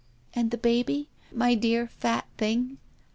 " And the baby — my dear fat thing